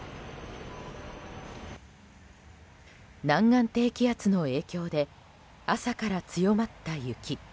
南岸低気圧の影響で朝から強まった雪。